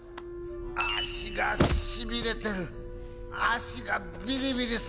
「足がしびれてる」「足がビリビリする」